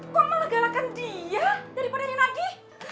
kamu malah galakan dia daripada yang lagi